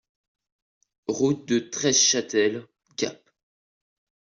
Route de Treschâtel, Gap